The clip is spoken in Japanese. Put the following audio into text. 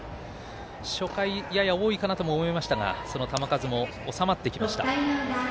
初回やや多いかなと思いましたがその球数もおさまってきました。